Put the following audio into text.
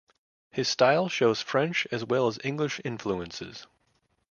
His style shows French as well as English influences.